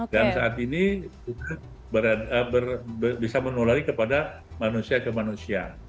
dan saat ini bisa menulari kepada manusia ke manusia